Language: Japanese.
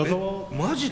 マジで！？